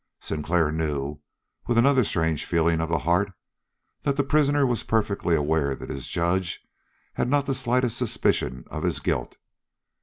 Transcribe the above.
Sinclair knew, with another strange falling of the heart, that the prisoner was perfectly aware that his judge had not the slightest suspicion of his guilt.